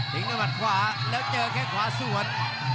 ถึงกระบาดขวาแล้วเจอแค่ขวาส่วน